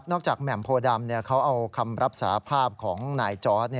จากแหม่มโพดำเขาเอาคำรับสาภาพของนายจอร์ด